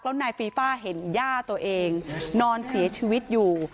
แล้วนายฟีฟ่าเห็นย่าตัวเองนอนเสียชีวิตอยู่